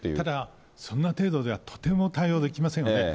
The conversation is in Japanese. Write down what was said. だからそんな程度ではとても対応できませんよね。